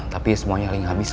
tapi semuanya hal yang habis